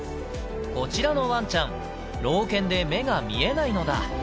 こちらのわんちゃん、老犬で目が見えないのだ。